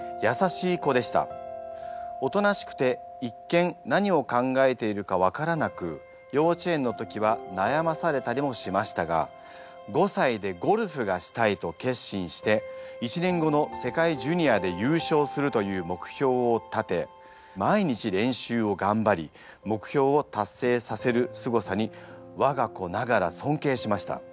おとなしくて一見何を考えているか分からなく幼稚園の時は悩まされたりもしましたが５歳でゴルフがしたいと決心して１年後の世界ジュニアで優勝するという目標を立て毎日練習を頑張り目標を達成させるすごさに我が子ながら尊敬しました。